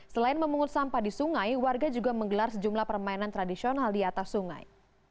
selain memungut sampah di sungai warga juga menggelar sejumlah permainan tradisional di atas sungai